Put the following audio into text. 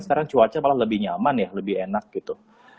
sekarang cuaca malah lebih nyaman ya lebih enak gitu